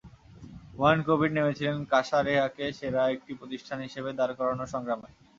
হুমায়ুন কবীর নেমেছিলেন কাসা রেহাকে সেরা একটি প্রতিষ্ঠান হিসেবে দাঁড় করানোর সংগ্রামে।